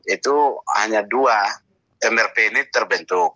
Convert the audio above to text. itu hanya dua mrp ini terbentuk